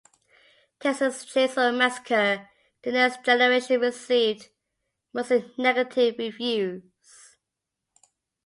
"Texas Chainsaw Massacre: The Next Generation" received mostly negative reviews.